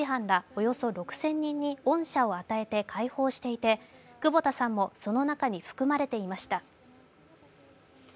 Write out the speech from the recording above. およそ６０００人に恩赦を与えて解放していて久保田さんもその中に含まれていました。